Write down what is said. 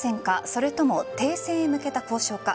それとも停戦へ向けた交渉か。